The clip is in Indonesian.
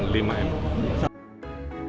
tidak ada yang penting lima m